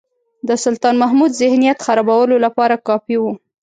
د سلطان محمود ذهنیت خرابولو لپاره کافي وو.